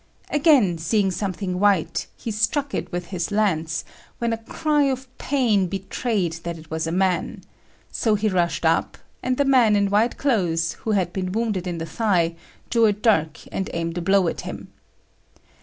Again seeing something white, he struck it with his lance, when a cry of pain betrayed that it was a man; so he rushed up, and the man in white clothes, who had been wounded in the thigh, drew a dirk and aimed a blow at him.